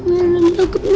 melan takut nih